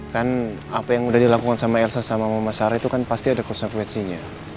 kan apa yang udah dilakukan sama elsa sama mama sarah itu kan pasti ada konsekuensinya